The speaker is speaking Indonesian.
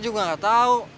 tidak ada alamatnya